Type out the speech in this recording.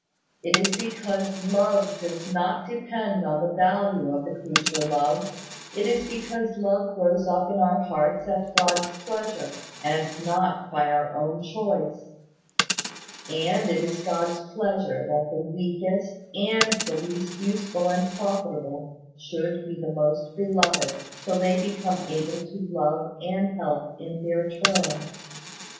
It is because love does not depend on the value of the creature loved it is because love grows up in our hearts at God's pleasure, and not by our own choice; and it is God's pleasure that the weakest and the least useful and profitable should be the most beloved, till they become able to love and help in their turn.